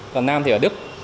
và nam thì ở đức